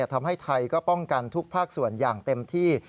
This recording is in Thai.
ทำให้ไทยก็ป้องกันทุกภาคส่วนอย่างเต็มที่